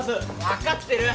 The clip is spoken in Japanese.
分かってる！